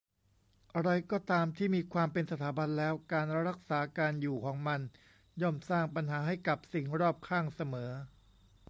อะไรก็ตามที่มีความเป็นสถาบันแล้ว การรักษาการอยู่ของมันย่อมสร้างปัญหาให้กับสิ่งรอบข้างเสมอ